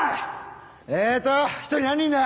えーっと一人何人だ？